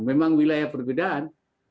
memang wilayah perbedaan